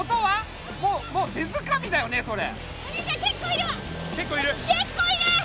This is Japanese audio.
もうもう手づかみだよねそれ。